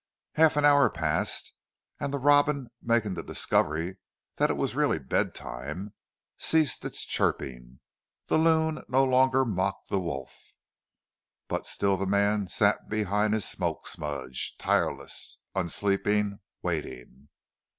Half an hour passed and the robin making the discovery that it was really bed time, ceased its chirping; the loon no longer mocked the wolf, but still the man sat behind his smoke smudge, tireless, unsleeping, waiting.